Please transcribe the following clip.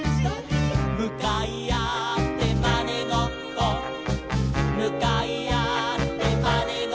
「むかいあってまねごっこ」「むかいあってまねごっこ」